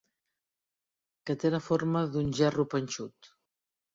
Que té la forma d'un gerro panxut.